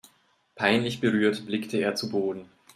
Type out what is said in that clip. Peinlich berührt blickte er zu Boden.